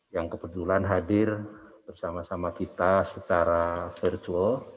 yang kebetulan hadir bersama sama kita secara virtual